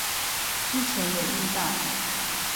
之前有遇到